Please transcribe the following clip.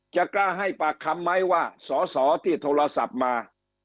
กล้าให้ปากคำไหมว่าสอสอที่โทรศัพท์มา